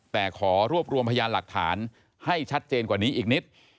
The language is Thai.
แต่ขอรวบรวมพยานหลักฐานให้ชัดเจนกว่านี้อีกนิด